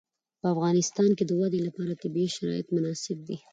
په افغانستان کې د وادي لپاره طبیعي شرایط مناسب دي.